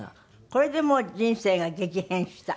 これでもう人生が激変した？